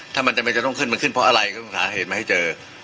ถ้ามันจะต้องขึ้นอ่ะเพราะอะไรก็ต้องถามเหตุมาให้เจอ